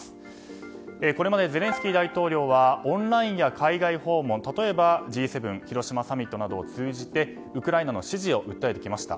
これまでゼレンスキー大統領はオンラインや海外訪問例えばＧ７広島サミットなどを通じてウクライナへの支持を訴えてきました。